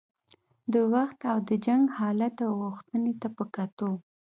د وخت او د جنګ حالت او غوښتنې ته په کتو.